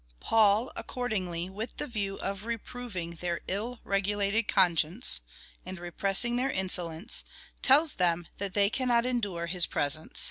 Paul, accordingly, with the view of reproving their ill regulated conscience, and repressing their insolence, tells them, that they cannot endure his presence.